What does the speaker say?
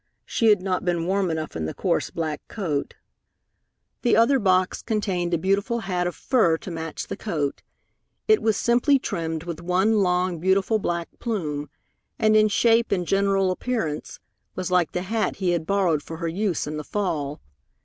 She had not been warm enough in the coarse black coat. The other box contained a beautiful hat of fur to match the coat. It was simply trimmed with one long, beautiful black plume, and in shape and general appearance was like the hat he had borrowed for her use in the fall.